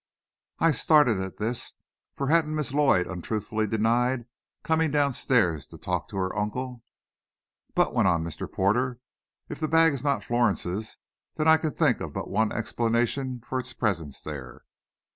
I started at this. For hadn't Miss Lloyd untruthfully denied coming down stairs to talk to her uncle? "But," went on Mr. Porter, "if the bag is not Florence's, then I can think of but one explanation for its presence there."